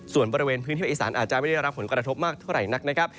ส่วนบริเวณพื้นที่ภาคอีสานอาจจะไม่ได้รับผลกระทบมากเท่าไหร่นักนะครับ